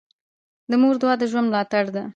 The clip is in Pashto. د مور دعا د ژوند ملاتړ ده.